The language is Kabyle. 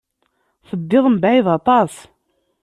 Teddiḍ mebɛid aṭas.